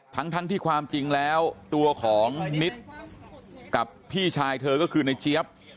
ทั้งที่ความจริงแล้วตัวของนิดกับพี่ชายเธอก็คือในเจี๊ยบ